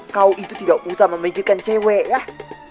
kau itu tidak usah memikirkan cewek ya